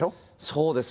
そうですね。